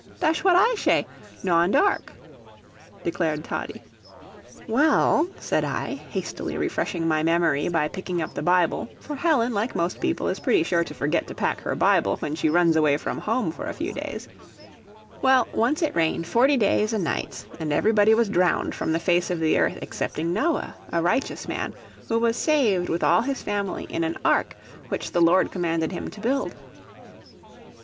"Datsh what I shay Nawndeark," declared Toddie. "Well," said I, hastily refreshing my memory by picking up the Bible, for Helen, like most people, is pretty sure to forget to pack her Bible when she runs away from home for a few days, "well, once it rained forty days and nights, and everybody was drowned from the face of the earth excepting Noah, a righteous man, who was saved, with all his family, in an ark which the Lord commanded him to build."